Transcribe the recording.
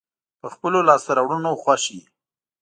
په خپلو لاسته راوړنو خوښ وي.